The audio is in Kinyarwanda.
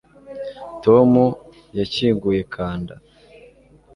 Tom yakinguye kanda